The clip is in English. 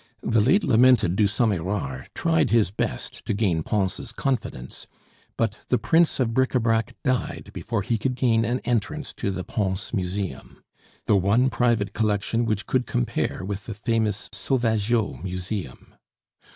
The late lamented Dusommerard tried his best to gain Pons' confidence, but the prince of bric a brac died before he could gain an entrance to the Pons museum, the one private collection which could compare with the famous Sauvageot museum.